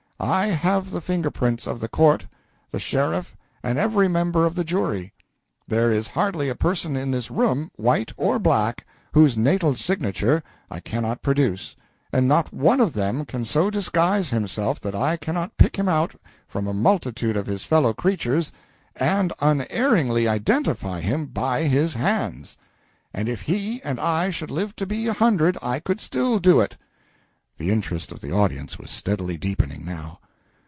I have the finger prints of the court, the sheriff, and every member of the jury. There is hardly a person in this room, white or black, whose natal signature I cannot produce, and not one of them can so disguise himself that I cannot pick him out from a multitude of his fellow creatures and unerringly identify him by his hands. And if he and I should live to be a hundred I could still do it. [The interest of the audience was steadily deepening, now.